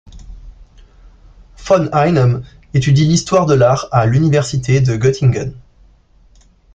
Von Einem étudie l'Histoire de l'Art à l'Université de Göttingen.